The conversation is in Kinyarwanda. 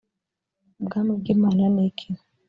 ubwami bw’imana ni iki?